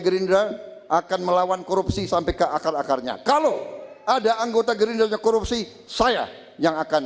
gerindra akan melawan korupsi sampai ke akal akarnya kalau ada anggota gerindranya korupsi saya yang akan